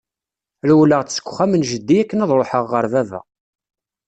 Rewleɣ-d seg uxxam n jeddi akken ad ruḥeɣ ɣer baba.